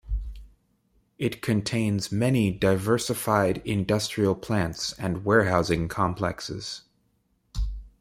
It contains many diversified industrial plants and warehousing complexes.